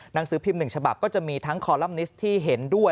หนังสือพิมพ์๑ฉบับก็จะมีทั้งคอลัมนิสที่เห็นด้วย